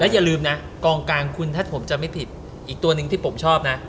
และอย่าลืมนะกรองกางของคุณถ้าผมไม่จบผิดอีกตัวหนึ่งที่ผมชอบนะ